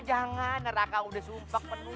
jangan neraka udah sumpah penuh